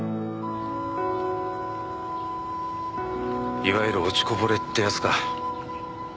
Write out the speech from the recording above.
いわゆる落ちこぼれってやつか。